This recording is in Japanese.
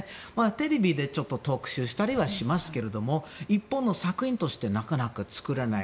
テレビでちょっと特集したりはしますが１本の作品としてなかなか作れない。